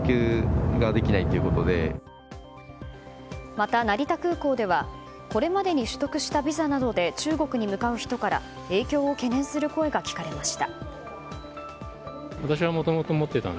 また、成田空港ではこれまでに取得したビザなどで中国に向かう人から影響を懸念する声が聞かれました。